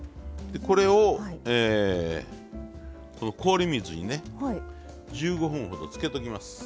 これをこの氷水にね１５分ほどつけときます。